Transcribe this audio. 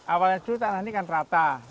awalnya dulu tanah ini kan rata